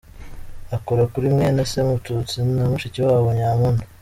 Akora kuri mwene Se Mututsi na mushiki wabo Nyampundu.